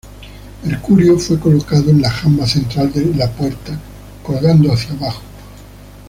Mercurio fue colocado en la jamba central de La Puerta colgando hacia abajo.